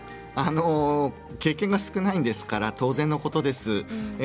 経験が少ないから当然のことです。